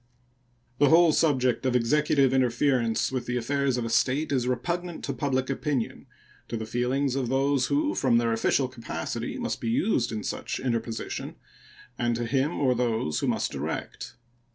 The whole subject of Executive interference with the affairs of a State is repugnant to public opinion, to the feelings of those who, from their official capacity, must be used in such interposition, and to him or those who must direct.